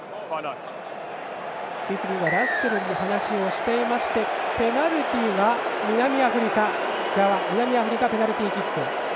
レフリーがラッセルと話をしていましたがペナルティーは南アフリカ側南アフリカ、ペナルティーキック。